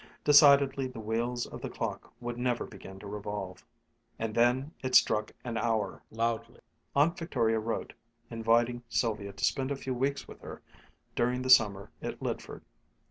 Decidedly the wheels of the clock would never begin to revolve. And then it struck an hour, loudly. Aunt Victoria wrote inviting Sylvia to spend a few weeks with her during the summer at Lydford.